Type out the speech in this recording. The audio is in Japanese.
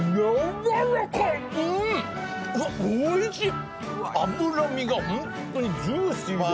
おいしい！